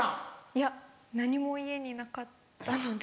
いや何も家になかったので。